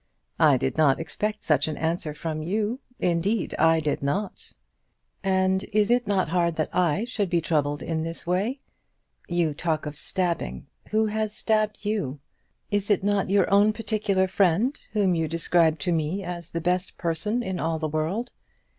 I did not expect such an answer from you; indeed I did not." "And is not it hard that I should be troubled in this way? You talk of stabbing. Who has stabbed you? Is it not your own particular friend, whom you described to me as the best person in all the world?